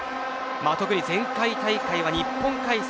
特に前回大会は日本開催